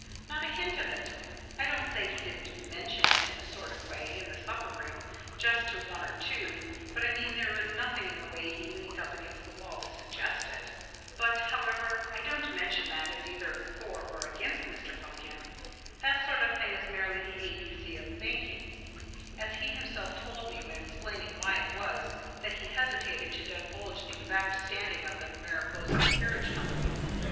Not a hint of it. I don't say he didn't mention it, in a sort of way, in the supper room, just to one or two, but I mean there was nothing in the way he leant up against the wall to suggest it. But, however, I don't mention that as either for or against Mr. Pupkin. That sort of thing is merely the A B C of banking, as he himself told me when explaining why it was that he hesitated to divulge the exact standing of the Mariposa Carriage Company.